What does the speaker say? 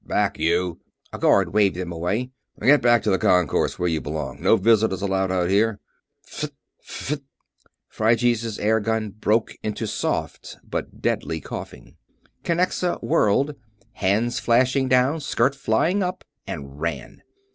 "Back, you!" A guard waved them away. "Get back to the Concourse, where you belong no visitors allowed out here!" F f t! F f t! Phryges' air gun broke into soft but deadly coughing. Kinnexa whirled hands flashing down, skirt flying up and ran.